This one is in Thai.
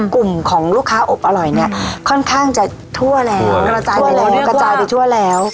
กลุ่มของลูกค้าอบอร่อยเนี่ยค่อนข้างจะทั่วแล้วทั่วแล้วค่ะ